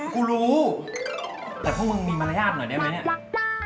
กูรู้แต่พวกมึงมีมารยาทหน่อยได้ไหมเนี่ย